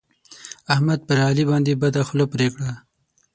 احمد پر علي باندې بده خوله پرې کړه.